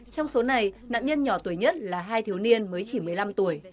trong số này nạn nhân nhỏ tuổi nhất là hai thiếu niên mới chỉ một mươi năm tuổi